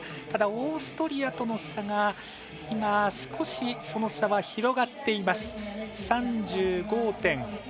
ただ、オーストリアとの差が今、少しその差は広がっています。